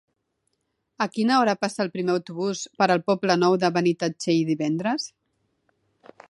A quina hora passa el primer autobús per el Poble Nou de Benitatxell divendres?